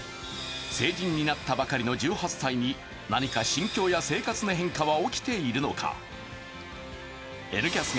成人になったばかりの１８歳に何か心境や生活の変化は起きているのだろうか。